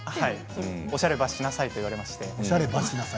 おしゃれはしなさいと言われまして。